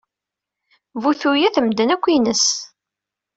Bu tuyat, medden akk ines.